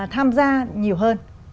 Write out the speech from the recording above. tham gia nhiều hơn